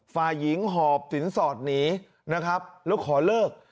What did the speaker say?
ฝ่ายหญิงหอบสินสอดหนีนะครับแล้วขอเลิก